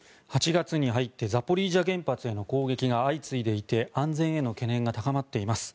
８月に入ってザポリージャ原発への攻撃が相次いでいて安全への懸念が高まっています。